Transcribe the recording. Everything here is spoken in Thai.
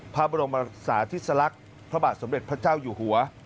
พระบรมศาธิสลักษณ์พระบาทสมเด็จพระเจ้าอยู่หัว